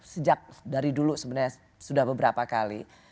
sejak dari dulu sebenarnya sudah beberapa kali